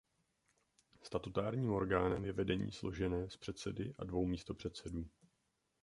Statutárním orgánem je vedení složené z předsedy a dvou místopředsedů.